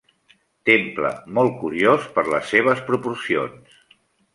Temple molt curiós per les seves proporcions.